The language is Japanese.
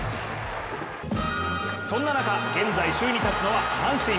そんな中現在、首位に立つのは阪神。